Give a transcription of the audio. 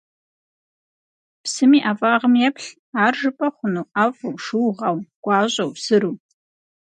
Псым и ӀэфӀагъым еплъ; ар жыпӀэ хъуну ӀэфӀу, шыугъэу, гуащӀэу, сыру?